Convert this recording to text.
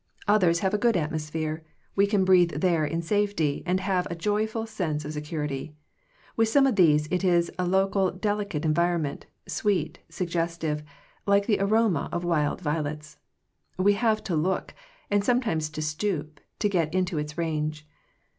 Others have a good atmosphere; we can breathe there in safety, and have a joyful sense of security. With some of these it is a local delicate environment, sweet, sug gestive, like the aroma of wild violets: we have to look, and sometimes to stoop, to get into its range.